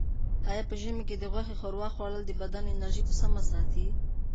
آیا په ژمي کې د غوښې ښوروا خوړل د بدن انرژي په سمه ساتي؟